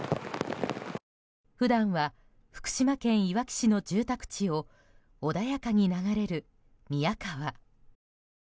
普段は福島県いわき市の住宅地を穏やかに流れる宮川。